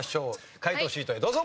解答シートへどうぞ。